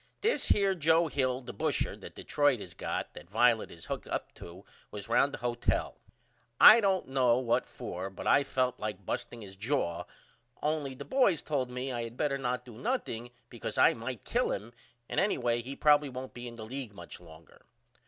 This here Joe Hill the busher that Detroit has got that Violet is hooked up to was round the hotel. I don't know what for but I felt like busting his jaw only the boys told me I had better not do nothing because I might kill him and any way he probily won't be in the league much longer.